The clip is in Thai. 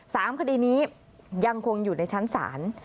สามคดีนี้ยังคงอยู่ในชั้นศาล